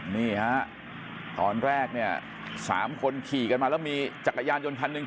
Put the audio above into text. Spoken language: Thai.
นี่ฮะตอนแรกเนี่ย๓คนขี่กันมาแล้วมีจักรยานยนต์คันหนึ่ง